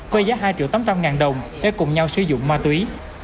quay giá hai triệu tám trăm linh ngàn đồng để cùng nhau sử dụng ma túy